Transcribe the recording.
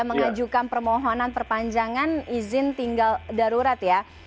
mengajukan permohonan perpanjangan izin tinggal darurat ya